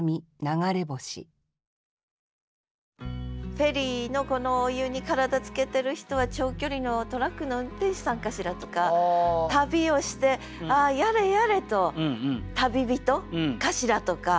フェリーのこのお湯に体つけてる人は長距離のトラックの運転手さんかしら？とか旅をして「あやれやれ」と旅人かしら？とか。